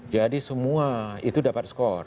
jadi semua itu dapat skor